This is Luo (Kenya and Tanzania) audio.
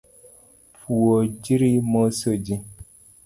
Puojri moso ji